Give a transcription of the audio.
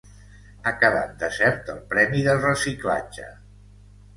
Ha quedat desert el premi de reciclatge.